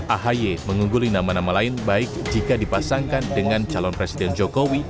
ahy mengungguli nama nama lain baik jika dipasangkan dengan calon presiden jokowi